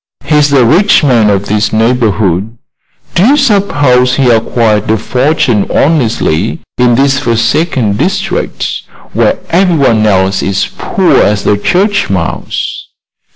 He is the rich man of this neighborhood. Do you suppose he acquired a fortune honestly in this forsaken district, where everyone else is poor as a church mouse?"